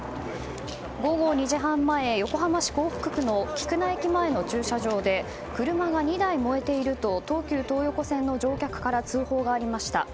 午後２時半前、横浜市港北区の菊名駅前の駐車場で車が２台燃えていると東急東横線の乗客から通報がありました。